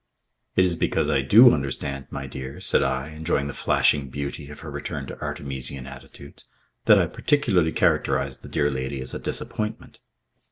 "It is because I do understand, my dear," said I, enjoying the flashing beauty of her return to Artemisian attitudes, "that I particularly characterised the dear lady as a disappointment."